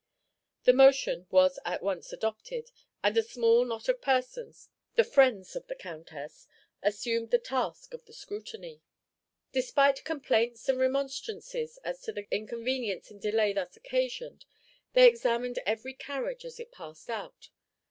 The motion was at once adopted, and a small knot of persons, the friends of the Countess, assumed the task of the scrutiny. Despite complaints and remonstrances as to the inconvenience and delay thus occasioned, they examined every carriage as it passed out.